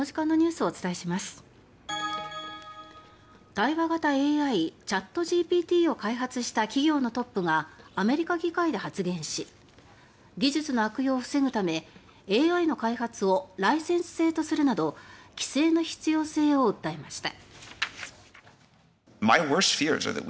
対話型ＡＩ・チャットＧＰＴを開発した企業のトップがアメリカ議会で発言し技術の悪用を防ぐためＡＩの開発をライセンス制とするなど規制の必要性を訴えました。